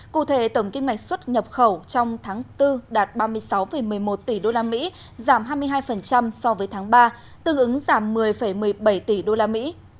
cụ thể tổng kiếm ngành xuất nhập khẩu trong tháng bốn đạt ba mươi sáu một mươi một tỷ usd giảm hai mươi hai so với tháng ba tương ứng giảm một mươi một mươi bảy tỷ usd